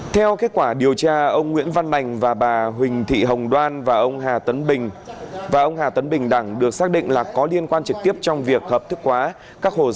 theo kết quả điều tra ông nguyễn văn lành và bà huỳnh thị hồng đoan và ông hà tấn bình đẳng được xác định là có liên quan trực tiếp trong việc hợp thức hóa các hồ sơ thủ tục